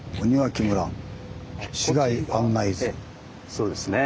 そうですね